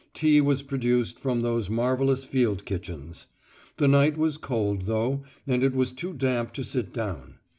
Tea was produced from those marvellous field kitchens. The night was cold, though, and it was too damp to sit down.